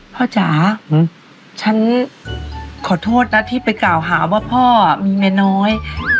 จ๋าฉันขอโทษนะที่ไปกล่าวหาว่าพ่อมีเมียน้อย